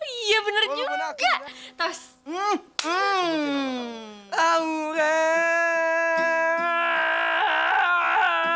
iya bener juga